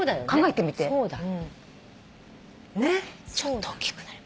ちょっと大きくなる。